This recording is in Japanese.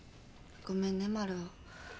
ごめんねマルオ。